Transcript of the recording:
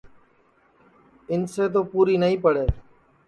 اِنسے تو پوری نائی پڑے